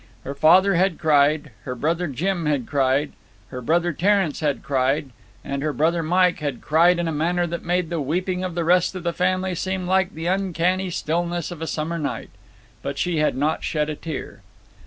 Her father had cried, her brother Jim had cried, her brother Terence had cried, and her brother Mike had cried in a manner that made the weeping of the rest of the family seem like the uncanny stillness of a summer night; but she had not shed a tear.